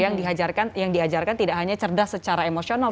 yang diajarkan tidak hanya cerdas secara emosional